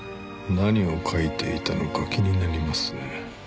何を書いていたのか気になりますね。